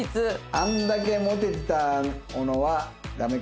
あんだけモテてた小野はダメか。